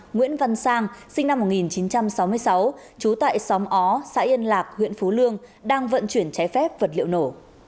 nguyễn văn sang sinh năm một nghìn chín trăm sáu mươi sáu trú tại xóm ó xã yên lạc huyện phú lương đang vận chuyển trái phép vật liệu nổ